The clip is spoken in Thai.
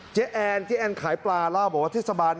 เจ๊แอ้นขายปลาแล้วบอกว่าเทศบาล